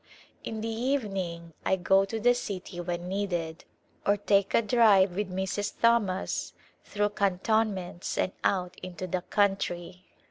In the evening I go to the city when needed, or take a drive with Mrs. Thomas through cantonments and out into the country.